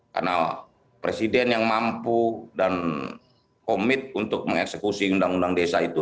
karena presiden yang mampu dan komit untuk mengeksekusi undang undang desa itu